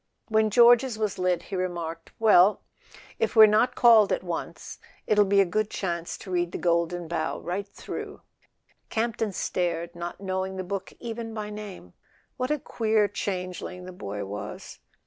When George's was lit he remarked: "Well, if we're not called at once it'll be a good chance to read 'The Golden Bough' right through." Campton stared, not knowing the book even by name. WQiat a queer changeling the boy was!